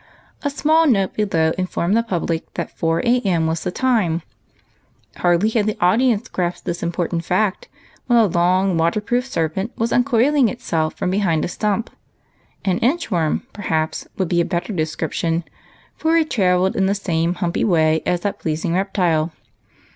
A small note below informed the public that 4 a.m. was the time. Hardly had the audience grasped this important fact when a long water proof serpent was seen uncoiling itself from behind a stump. An inch worm, perhaps, would be a better description, for it travelled in the same humpy A HAPPY BIRTHDAY. 159 way as that pleasing reptile.